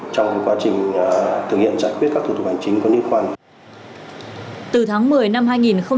trong quá trình thực hiện giải quyết các thủ tục hành chính có nhiệm quan